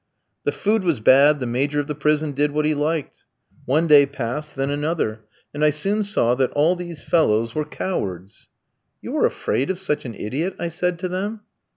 The food was bad, the Major of the prison did what he liked. One day passed, then another, and I soon saw that all these fellows were cowards. "'You are afraid of such an idiot?' I said to them.